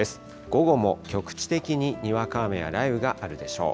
午後も局地的ににわか雨や雷雨があるでしょう。